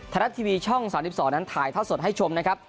รัฐทีวีช่อง๓๒นั้นถ่ายท่อสดให้ชมนะครับ